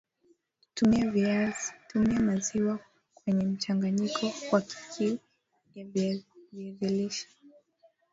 Tumia maziwa kwenyemchanganyiko wa keki ya viazi lishe